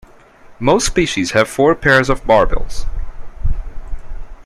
Most species have four pairs of barbels.